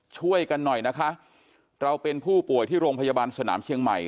ช่วยกันหน่อยนะคะเราเป็นผู้ป่วยที่โรงพยาบาลสนามเชียงใหม่